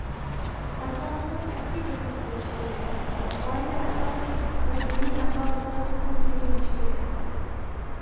ئەخلاقىغا قەتئىي دىققەت قىلىش كېرەك، ئائىلە ئەخلاقى ۋە دىنىي ئەخلاقى بار قىزلارنى ئېلىش كېرەك.